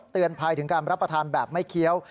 เตือนภัยถึงการรับประทานแบบไม่เคี้ยว